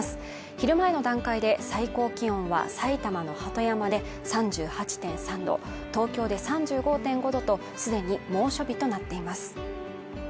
昼前の段階で最高気温は埼玉の鳩山で３８．３度東京で３５．５度とすでに猛暑日となっています